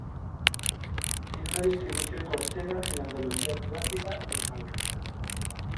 Tiene una distribución costera en la Andalucía atlántica y en Málaga.